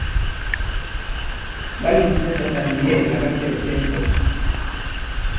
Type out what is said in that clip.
Ɓa lèŋsa tǎta nì yɛ̌ɛ̀ la ɓa sɛɛ̀ cɛ i mbɔ̄k?